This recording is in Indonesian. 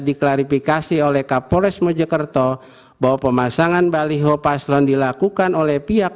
diklarifikasi oleh kapolres mojokerto bahwa pemasangan baliho paslon dilakukan oleh pihak